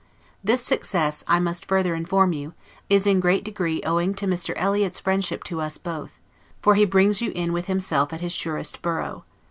This success, I must further inform you, is in a great degree owing to Mr. Eliot's friendship to us both; for he brings you in with himself at his surest borough.